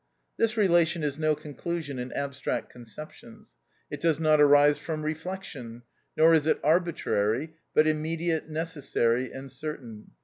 This relation is no conclusion in abstract conceptions; it does not arise from reflection, nor is it arbitrary, but immediate, necessary, and certain.